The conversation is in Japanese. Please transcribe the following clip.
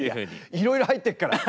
いろいろ入ってるから！